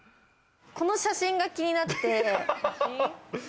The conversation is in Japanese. この写真が気になって。